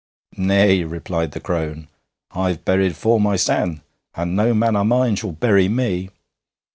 'Nay,' replied the crone. 'I've buried four mysen, and no man o' mine shall bury me.'